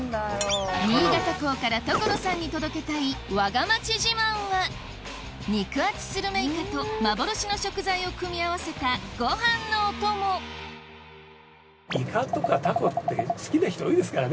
新潟港から所さんに届けたいわが町自慢は肉厚スルメイカと幻の食材を組み合わせたご飯のお供イカとかタコって好きな人多いですからね。